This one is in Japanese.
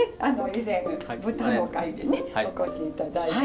以前豚の回でねお越し頂いて。